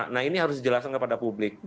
nah ini harus dijelaskan kepada publik